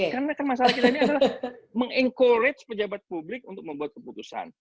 karena kan masalah kita ini adalah mengencourage pejabat publik untuk membuat keputusan